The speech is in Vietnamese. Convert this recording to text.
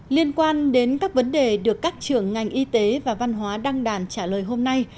liên quan đến các vấn đề được các trưởng ngành y tế và văn hóa đăng đàn trả lời hôm nay